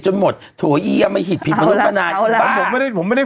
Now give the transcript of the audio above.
จนหมดทุยียะไม่หิดผิดพอแล้วเอาล่ะผมไม่ได้ผมไม่ได้